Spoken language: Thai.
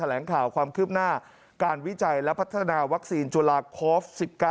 แหลงข่าวความคืบหน้าการวิจัยและพัฒนาวัคซีนจุลาคอฟ๑๙